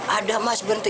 ada mas berhenti